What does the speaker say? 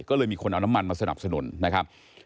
ก็เลยมีคนเอาน้ำมันมาสนับสนุนนะครับ